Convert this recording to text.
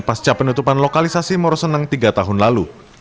pasca penutupan lokalisasi moroseneng tiga tahun lalu